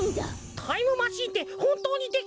タイムマシーンってほんとうにできるんだな。